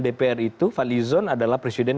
dpr itu fadlizon adalah presiden